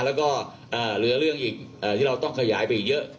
แล้วก็เหลือเรื่องอีกที่เราต้องขยายไปอีกเยอะ